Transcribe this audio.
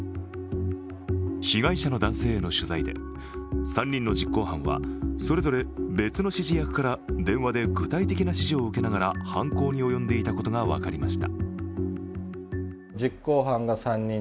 被害者の男性への取材で３人の実行犯はそれれ別の指示役から電話で具体的な指示を受けながら犯行に及んでいたことが分かりました。